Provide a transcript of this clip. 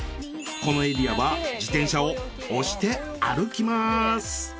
このエリアは自転車を押して歩きます！